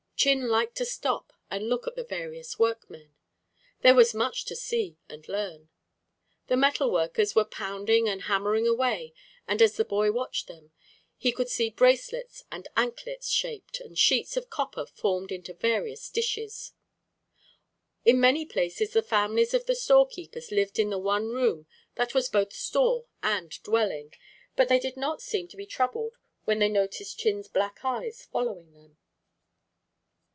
Chin liked to stop and look at the various workmen. There was much to see and learn. The metal workers were pounding and hammering away, and, as the boy watched them, he could see bracelets and anklets shaped, and sheets of copper formed into various dishes. In many places the families of the storekeepers lived in the one room that was both store and dwelling, but they did not seem to be troubled when they noticed Chin's black eyes following them.